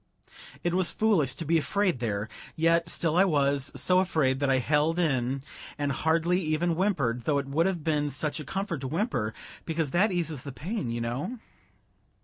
It was foolish to be afraid there, yet still I was; so afraid that I held in and hardly even whimpered, though it would have been such a comfort to whimper, because that eases the pain, you know.